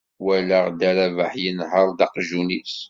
Walaɣ dda Rabeḥ yenher-d aqjun-is.